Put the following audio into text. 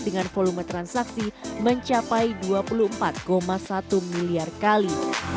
dengan volume transaksi mencapai dua puluh empat satu miliar kali